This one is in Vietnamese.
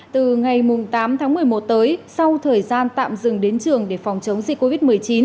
từ ngày tám tháng một mươi một tới sau thời gian tạm dừng đến trường để phòng chống dịch covid một mươi chín